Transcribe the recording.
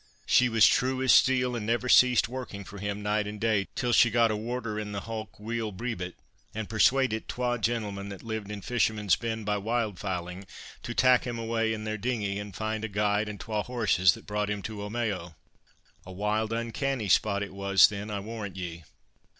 She was true as steel, and never ceased working for him night and day till she got a warder in the hulk weel bribit, and persuadit twa gentlemen that lived in Fishermen's Bend by wild fowling to tak' him awa' in their dinghy and find a guide and twa horses that brought him to Omeo. A wild, uncanny spot it was then, I warrant ye.